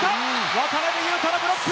渡邊雄太のブロック！